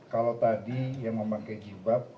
kalau tadi yang memakai jilbab